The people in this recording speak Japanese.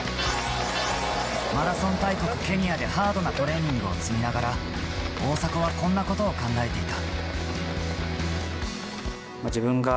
マラソン大国のケニアでハードなトレーニングを積みながら大迫はこんなことを考えていた。